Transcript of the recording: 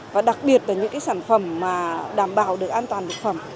và đặc biệt là những sản phẩm đảm bảo được an toàn thực phẩm